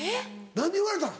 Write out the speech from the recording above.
何言われたん？